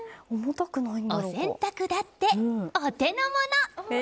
お洗濯だってお手の物！